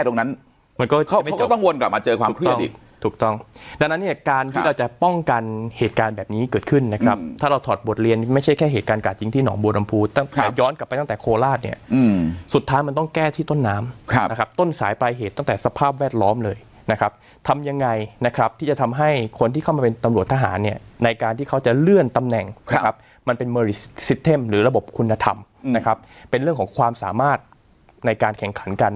จากจิงที่หนองบัวดำพูต้องย้อนกลับไปตั้งแต่โคลาสเนี่ยสุดท้ายมันต้องแก้ที่ต้นน้ำครับต้นสายปลายเหตุตั้งแต่สภาพแวดล้อมเลยนะครับทำยังไงนะครับที่จะทำให้คนที่เข้ามาเป็นตำรวจทหารเนี่ยในการที่เขาจะเลื่อนตำแหน่งครับมันเป็นมือสิสเทมหรือระบบคุณธรรมนะครับเป็นเรื่องของความสามารถในการแข่งขันกั